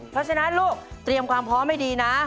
เพราะฉะนั้นลูกเตรียมความพร้อมให้ดีนะ